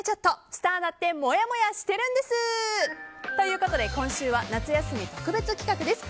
スターだってもやもやしてるんです！ということで今週は夏休み特別企画です。